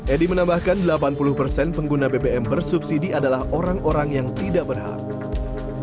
edi menambahkan delapan puluh persen pengguna bbm bersubsidi adalah orang orang yang tidak berhak